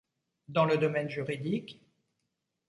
Dans le domaine juridique,